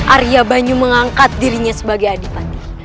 arya banyu mengangkat dirinya sebagai adipati